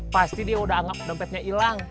pasti dia udah anggap dompetnya hilang